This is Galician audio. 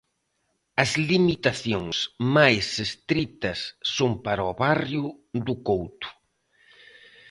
As limitacións máis estritas son para o barrio do Couto.